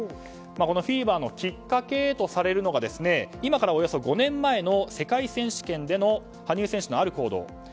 このフィーバーのきっかけとされるのが今からおよそ５年前の世界選手権での羽生選手のある行動。